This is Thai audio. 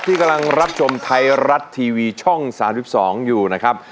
ที่กำลังรับชมไทยรัฐทีวีช่อง๓๒อยู่นะครับ